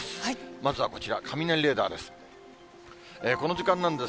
まずはこちら、雷レーダーです。